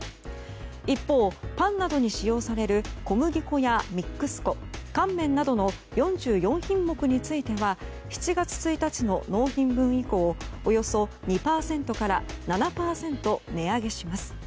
一方、パンなどに使用される小麦粉やミックス粉乾麺などの４４品目については７月１日の納品分以降およそ２％から７％値上げします。